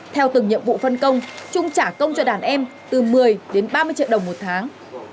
theo từng nhiệm vụ phân công trung trả công cho đàn em từ một mươi đến ba mươi triệu đồng một tháng